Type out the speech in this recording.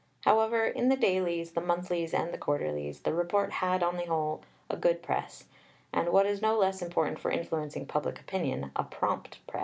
However, in the dailies, the monthlies and the quarterlies, the Report had, on the whole, "a good press," and, what is no less important for influencing public opinion, a prompt press.